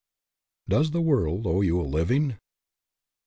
DOES THE WORLD OWE YOU A LIVING?